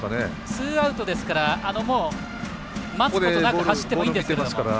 ツーアウトですから待つことなく走ってもいいんですけど。